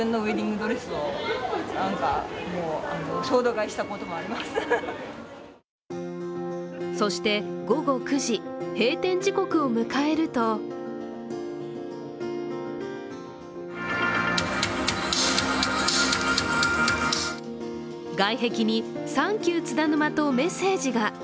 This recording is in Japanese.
思い入れも深いようでそして午後９時、閉店時刻を迎えると外壁に「サンキュー津田沼」とメッセージが。